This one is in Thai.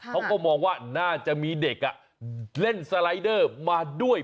เขาก็มองว่าน่าจะมีเด็กเล่นสไลเดอร์มาด้วย